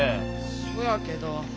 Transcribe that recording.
そやけど。